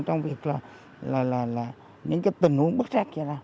trong việc tình huống bất xác